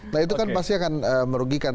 nah itu kan pasti akan merugikan